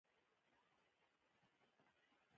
روهیال خپل کور ته لاړ.